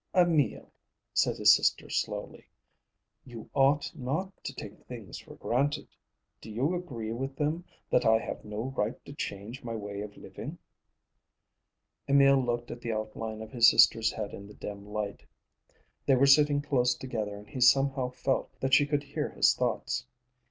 "Emil," said his sister slowly, "you ought not to take things for granted. Do you agree with them that I have no right to change my way of living?" Emil looked at the outline of his sister's head in the dim light. They were sitting close together and he somehow felt that she could hear his thoughts.